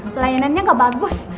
pelayanannya gak bagus